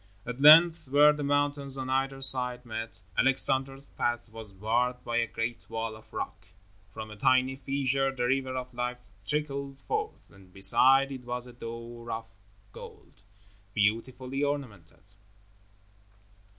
At length, where the mountains on either side met, Alexander's path was barred by a great wall of rock. From a tiny fissure the River of Life trickled forth, and beside it was a door of gold, beautifully ornamented.